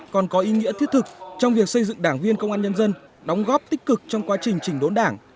còn có ý nghĩa thiết thực trong việc xây dựng đảng viên công an nhân dân đóng góp tích cực trong quá trình chỉnh đốn đảng